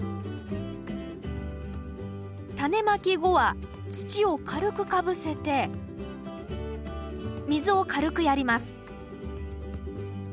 タネまき後は土を軽くかぶせて水を軽くやります